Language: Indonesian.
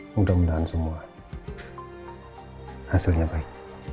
mudah mudahan semua hasilnya baik